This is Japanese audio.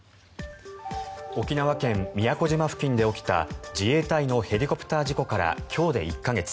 沖縄県・宮古島付近で起きた自衛隊のヘリコプター事故から今日で１か月。